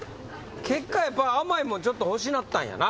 結果やっぱ甘い物ちょっと欲しなったんやな。